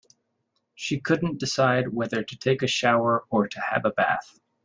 She couldn't decide whether to take a shower or to have a bath.